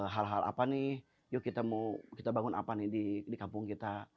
hal hal apa nih yuk kita mau kita bangun apa nih di kampung kita